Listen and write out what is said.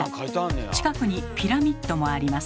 近くにピラミッドもあります。